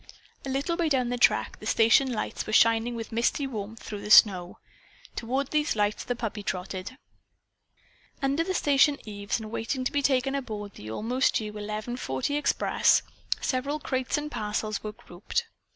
A little way down the track the station lights were shining with misty warmth through the snow. Toward these lights the puppy trotted. Under the station eaves, and waiting to be taken aboard the almost due eleven forty express, several crates and parcels were grouped.